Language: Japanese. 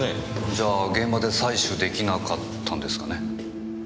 じゃあ現場で採取出来なかったんですかね。